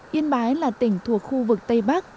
yên bái là tỉnh thuộc khu vực tây bắc